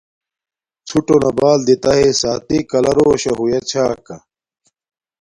ݼُݸٹݸنݳ بݳل دِیتݳ ہݵئ سݳتݵ کَلَݳ رݸشݳ ہݸیݳ چھݳکݳ.